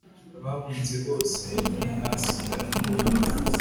Bahunze bose ntihasigara numwe